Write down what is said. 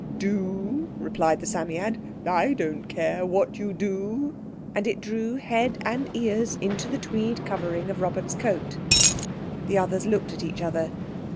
"Do?" replied the Psammead. "I don't care what you do!" And it drew head and ears into the tweed covering of Robert's coat. The others looked at each other.